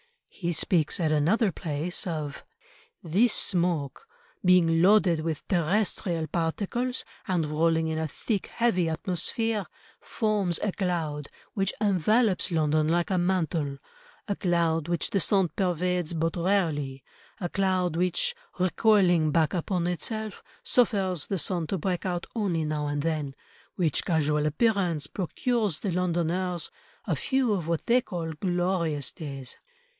He speaks at another place of— "This smoke being loaded with terrestrial particles and rolling in a thick, heavy atmosphere, forms a cloud, which envelopes London like a mantle, a cloud which the sun pervades but rarely, a cloud which, recoiling back upon itself, suffers the sun to break out only now and then, which casual appearance procures the Londoners a few of what they call glorious days."